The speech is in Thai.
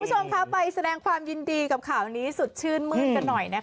คุณผู้ชมค่ะไปแสดงความยินดีกับข่าวนี้สุดชื่นมืดกันหน่อยนะคะ